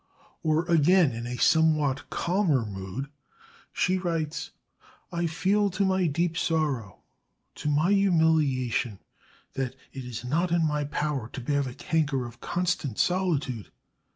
Or again, in a somewhat calmer mood, she writes: "I feel to my deep sorrow, to my humiliation, that it is not in my power to bear the canker of constant solitude.